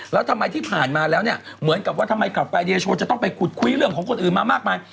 แล้วทำไมที่ผ่านมาแล้วเนี่ยเหมือนกับว่าทำไมขับไฟเดียโชว์จะต้องไปขุดคุยเรื่องของคนอื่นมามากมาย